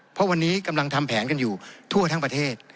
เพราะวันนี้กำลังทำแผนกันอยู่ทั่วทั้งประเทศ